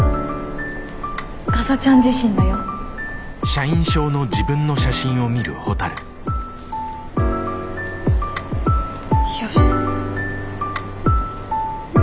かさちゃん自身だよ。よし。